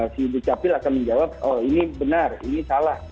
si dukcapil akan menjawab oh ini benar ini salah